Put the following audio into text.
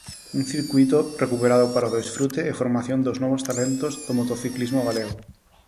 Un circuíto recuperado para o desfrute e formación dos novos talentos do motociclismo galego.